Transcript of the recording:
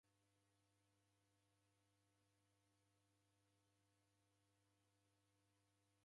Vidoi veiw'a kila kilambo okoghe nacho.